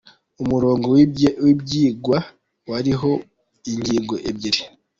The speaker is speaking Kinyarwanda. Umurongo w’ibyigwa wariho ingingo ebyiri :